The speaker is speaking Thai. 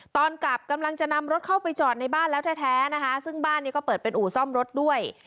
ตอนกลับกำลังจะนำรถเข้าไปจอดในบ้านแล้วแท้นะคะซึ่งบ้านนี้ก็เปิดเป็นอู่ซ่อมรถด้วย